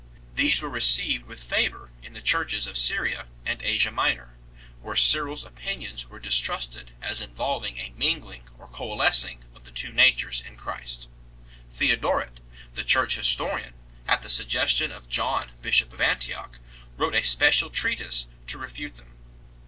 These were received with favour in the churches of Syria and Asia Minor, where Cyril s opinions were distrusted as involving a mingling or coalescing of the two natures in Christ. Theodoret, the church historian, at the suggestion of John bishop of Antioch, wrote a special treatise to refute them.